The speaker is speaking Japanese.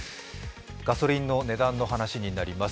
ガソリンの値段の話になります。